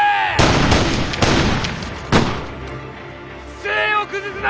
姿勢を崩すな！